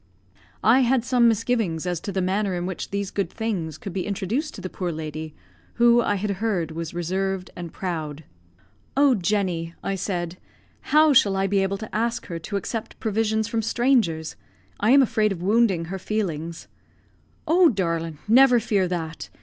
I had some misgivings as to the manner in which these good things could be introduced to the poor lady, who, I had heard, was reserved and proud. "Oh, Jenny," I said, "how shall I be able to ask her to accept provisions from strangers? I am afraid of wounding her feelings." "Oh, darlint, never fear that!